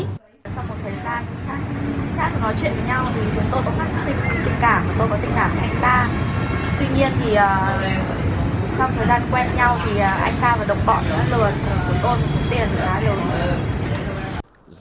sau một thời gian chắc chắn nói chuyện với nhau thì chúng tôi có phát sinh tình cảm tôi có tình cảm với anh ta tuy nhiên thì sau thời gian quen nhau thì anh ta và độc bọn của tôi xin tiền và đều